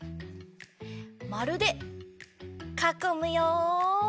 まるでかこむよ！